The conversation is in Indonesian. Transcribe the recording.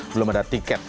belum ada tiket